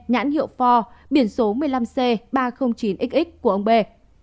nhãn hiệu pho biển số một mươi năm c ba trăm linh chín xx của ông bê